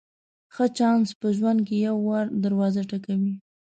ښه چانس په ژوند کې یو وار دروازه ټکوي.